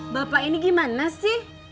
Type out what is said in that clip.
bapak ini gimana sih